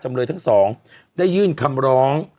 เลยทั้งสองได้ยื่นคำร้อง